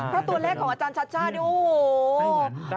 เพราะตัวเลขของอาจารย์ชัชชานี่โอ้โห